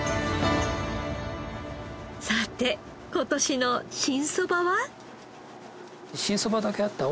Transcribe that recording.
さて今年の新そばは？